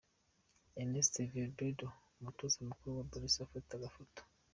Ernesto Valverde umutoza mukuru wa Barca afata agafoto.